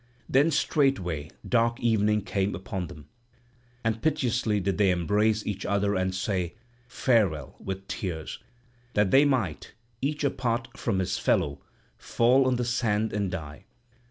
Then straightway dark evening came upon them; and piteously did they embrace each other and say farewell with tears, that they might, each one apart from his fellow, fall on the sand and die.